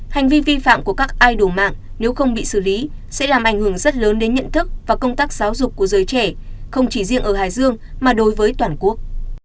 hành vi vi phạm của các ai đủ mạng nếu không bị xử lý sẽ làm ảnh hưởng rất lớn đến nhận thức và công tác giáo dục của giới trẻ không chỉ riêng ở hải dương mà đối với toàn quốc